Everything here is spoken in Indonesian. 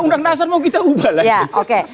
uu dasar mau kita ubah lagi